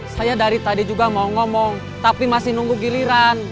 saya dari tadi juga mau ngomong tapi masih nunggu giliran